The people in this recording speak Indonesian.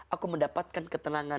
aku mendapatkan ketenangan